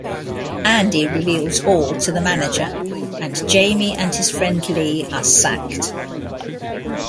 Andy reveals all to the manager, and Jamie and his friend Lee are sacked.